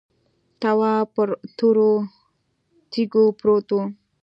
تواب پر تورو تیږو پروت و.